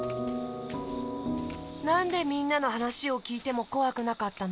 なんでみんなのはなしをきいてもこわくなかったの？